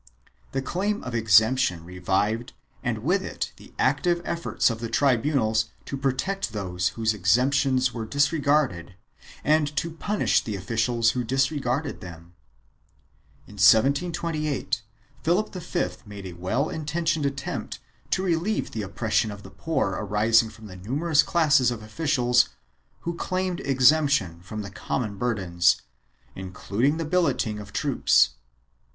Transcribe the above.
The claim of exemption revived and with it the active efforts of the tribunals to protect those whose exemptions were dis regarded and to punish the officials who disregarded them.2 In 1728 Philip V made a well intentioned attempt to relieve the oppression of the poor arising from the numerous classes of officials who claimed exemption from the common burdens, including the billeting of troops.